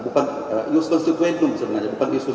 bukan ius constituentum sebenarnya